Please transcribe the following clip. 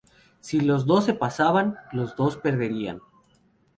Si los dos se pasaban, los dos perderían.